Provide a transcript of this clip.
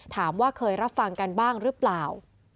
ถามว่าเคยรับฟังกันบ้างหรือเปล่า